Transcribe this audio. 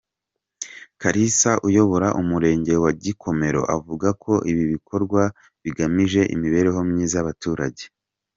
Kalisa uyobora Umurenge wa Gikomero avuga ko ibi bikorwa bigamije imibereho myiza y’abaturage.